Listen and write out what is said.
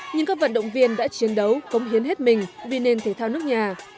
nhưng các vận động viên đã chiến đấu cống hiến hết mình vì nền thể thao nước nhà